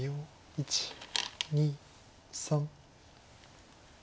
１２３。